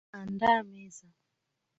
Andaa meza .